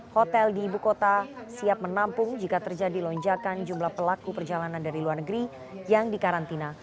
hotel di ibu kota siap menampung jika terjadi lonjakan jumlah pelaku perjalanan dari luar negeri yang dikarantina